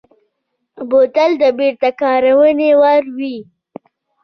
بوتل د بېرته کارونې وړ وي.